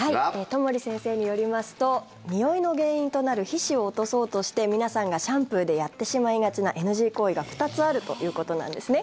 友利先生によりますとにおいの原因となる皮脂を落とそうとして皆さんがシャンプーでやってしまいがちなＮＧ行為が２つあるということなんですね。